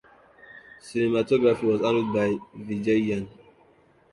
Cinematography was handled by Vijayan.